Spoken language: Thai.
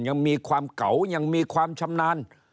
ยังมีความเก่ายังมีความชำนาญ